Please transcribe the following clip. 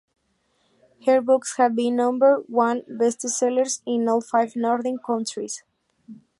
Her books have been number one bestsellers in all five Nordic countries.